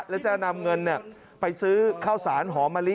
แล้วจะนำเงินไปซื้อข้าวสารหอมมะลิ